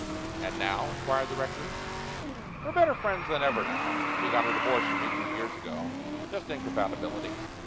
"And now?" inquired the recluse. "We're better friends than ever now. She got a divorce from me two years ago. Just incompatibility.